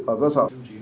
ở cơ sở